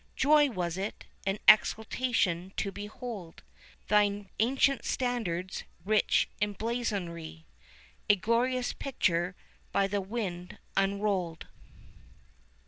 11 Joy was it and exultation to behold Thine ancient standard's rich emblazonry, A glorious picture by the wind unrolled.